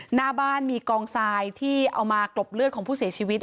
หน้าบ้านมีกองทรายที่เอามากลบเลือดของผู้เสียชีวิต